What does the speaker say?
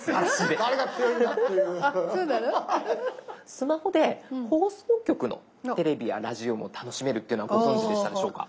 スマホで放送局のテレビやラジオも楽しめるってご存じでしたでしょうか？